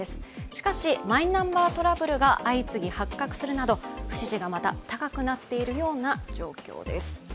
しかし、マイナンバートラブルが相次ぎ発覚するなど、不支持がまた高くなっている状況です。